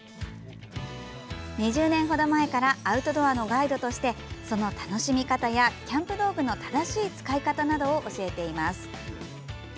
２０年程前からアウトドアのガイドとしてその楽しみ方や、キャンプ道具の正しい使い方などを教えています。